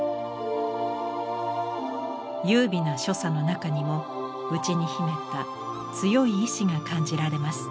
優美な所作の中にも内に秘めた強い意志が感じられます。